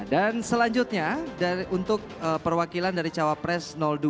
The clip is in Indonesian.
dan selanjutnya untuk perwakilan dari cawapres dua